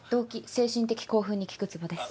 精神的興奮に効くツボです。